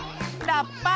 ラッパ。